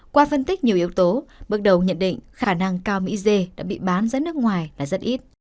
qua phân tích nhiều yếu tố bước đầu nhận định khả năng cao mỹ dê đã bị bán ra nước ngoài là rất ít